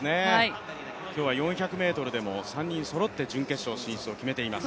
今日は４００ｍでも３人そろって準決勝進出を決めています。